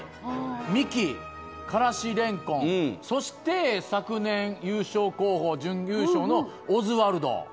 ミキ、からし蓮根、そして、昨年優勝候補、準優勝のオズワルド。